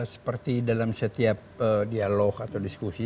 seperti dalam setiap dialog atau diskusi